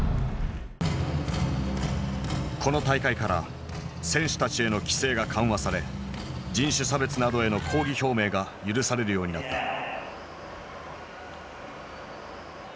この大会から選手たちへの規制が緩和され人種差別などへの抗議表明が許されるようになった。